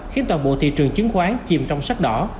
khiến toàn bộ thị trường chứng khoán chìm trong sắc đỏ